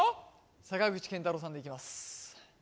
坂口健太郎さんでいきます